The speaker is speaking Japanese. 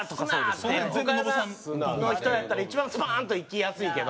岡山の人やったら一番スパーンといきやすいけど。